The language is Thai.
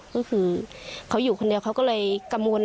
ก็คือเขาอยู่คนเดียวเขาก็เลยกังวล